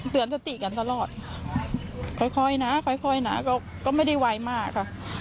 สติกันตลอดค่อยนะค่อยนะก็ไม่ได้ไวมากค่ะ